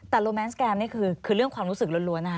แต่โรแมนสแกมนี่คือเรื่องความรู้สึกล้วนนะคะ